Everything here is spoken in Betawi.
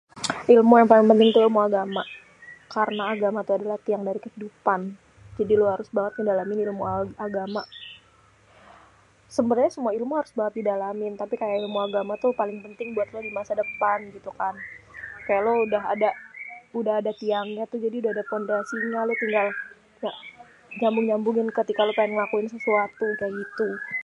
ilmu yang paling penting tuh ilmu agama, karna agama tuh adalah tiang dari kehidupan, jadi lo harus banget mendalami ilmu agama. sebenernyê semua ilmu harus di dalamin kaya ilmu agama tuh paling penting buat lo dimasa depan gitukan, kaya lu udah ada, udah ada tiang nya tuh udh ada pondasinya lu tinggal [ya] nyambung-nyambungin ketika lo kalo mau ngelakuin sesuatu kaya gitu.